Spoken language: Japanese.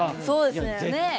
そうですね。